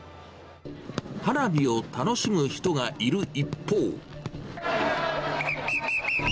花火を楽しむ人がいる一方。